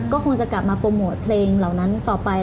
ก็คงจะกลับมาโปรโมทเพลงเหล่านั้นต่อไป